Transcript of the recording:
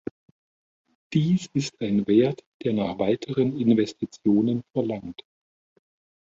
Dies ist ein Wert, der nach weiteren Investitionen verlangt.